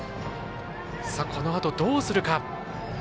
このあと、どうするか。